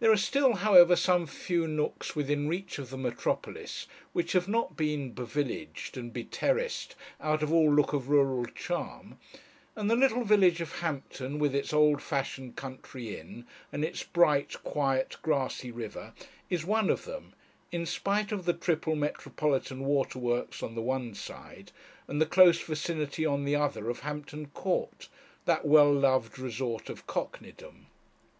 There are still, however, some few nooks within reach of the metropolis which have not been be villaged and be terraced out of all look of rural charm, and the little village of Hampton, with its old fashioned country inn, and its bright, quiet, grassy river, is one of them, in spite of the triple metropolitan waterworks on the one side, and the close vicinity on the other of Hampton Court, that well loved resort of cockneydom.